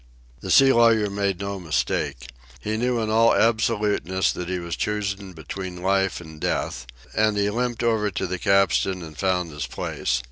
The sea lawyer made no mistake. He knew in all absoluteness that he was choosing between life and death, and he limped over to the capstan and found his place.